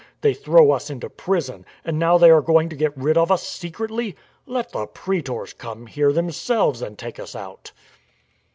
They throw us into prison. And now they are going to get rid of us secretly ! Let the praetors come here themselves and take us out